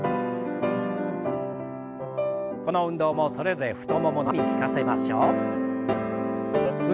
この運動もそれぞれ太ももの前に効かせましょう。